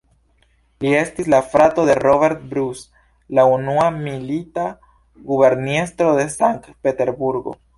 Li estis la frato de "Robert Bruce", la unua milita guberniestro de Sankt-Peterburgo.